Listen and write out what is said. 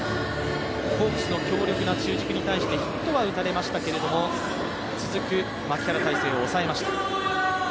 ホークスの強力な中軸に対してヒットは打たれましたけど、続く牧原大成を抑えました。